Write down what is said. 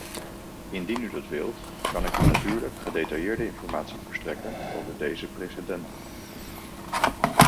Indien u dat wilt, kan ik u natuurlijk gedetailleerde informatie verstrekken over deze precedenten.